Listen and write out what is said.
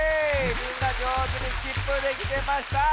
みんなじょうずにスキップできてました！